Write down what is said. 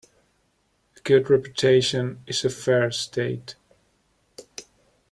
A good reputation is a fair estate.